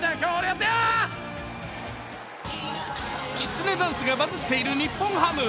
きつねダンスがバズっている日本ハム。